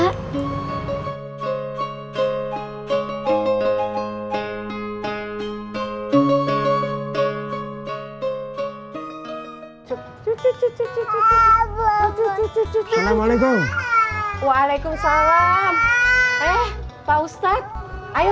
cukup cukup cukup cukup cukup cukup cukup cukup selama legeng waalaikumsalam eh pak ustadz ayo